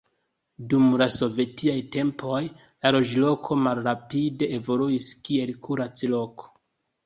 Dum la sovetiaj tempoj la loĝloko malrapide evoluis kiel kurac-loko.